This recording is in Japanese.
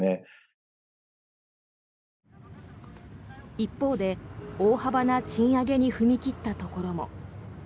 一方で、大幅な賃上げに踏み切ったところも。